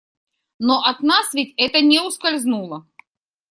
Но от нас ведь это не ускользнуло.